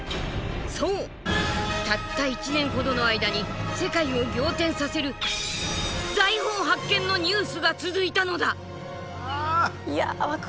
そうたった１年ほどの間に世界を仰天させる財宝発見のニュースが続いたのだ！